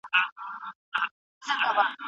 په لټون د ورکې نهو راوتلی